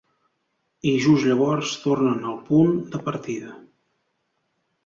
I just llavors tornen al punt de partida.